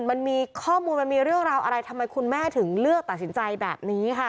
มันมีข้อมูลมันมีเรื่องราวอะไรทำไมคุณแม่ถึงเลือกตัดสินใจแบบนี้ค่ะ